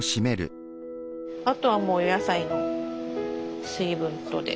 あとはもう野菜の水分とで。